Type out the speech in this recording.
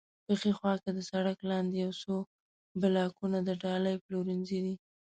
په ښي خوا کې د سړک لاندې یو څو بلاکونه د ډالۍ پلورنځی دی.